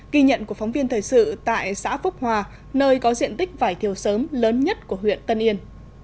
ghi nhận của phóng viên thời sự tại xã phúc hòa nơi có diện tích vải thiều sớm lớn nhất của huyện tân yên